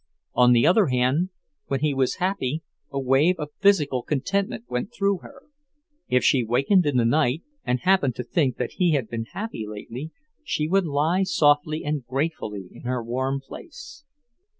On the other hand, when he was happy, a wave of physical contentment went through her. If she wakened in the night and happened to think that he had been happy lately, she would lie softly and gratefully in her warm place.